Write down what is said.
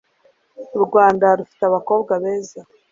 urwanda rufite abakobwa beza